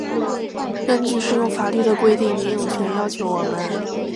根据适用法律的规定，您有权要求我们：